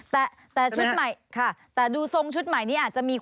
แต่ชุดใหม่แต่ดูทรงชุดใหม่นี้